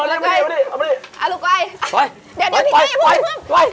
เอาลูกไก